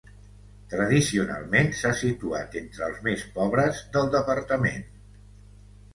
Tradicionalment s'ha situat entre els més pobres del departament.